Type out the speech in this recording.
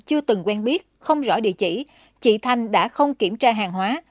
chưa từng quen biết không rõ địa chỉ chị thanh đã không kiểm tra hàng hóa